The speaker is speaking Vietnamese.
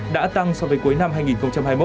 đã tăng so với cuối năm hai nghìn hai mươi một